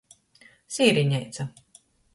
Sīrineica.